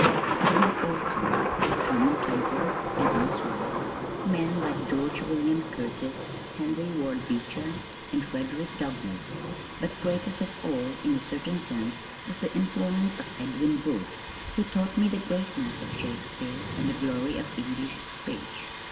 I heard also (at Tremont temple and elsewhere) men like George William Curtis, Henry Ward Beecher, and Frederick Douglass, but greatest of all in a certain sense was the influence of Edwin Booth who taught me the greatness of Shakespeare and the glory of English speech.